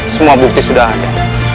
semua bukti sudah ada